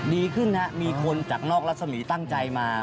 ดีขึ้นฮะมีคนจากนอกรัศมีร์ตั้งใจมา